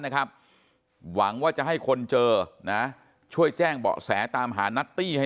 นะครับหวังว่าจะให้คนเจอนะช่วยแจ้งเบาะแสตามหานัตตี้ให้